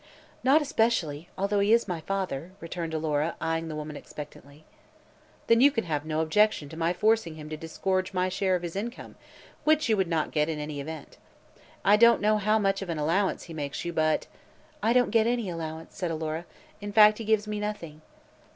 "Not especially, although he is my father," returned Alora, eyeing the woman expectantly. "Then you can have no objection to my forcing him to disgorge my share of his income, which you would not get in any event. I don't know how much of an allowance he makes you, but " "I don't get any allowance," said Alora, "In fact, he gives me nothing."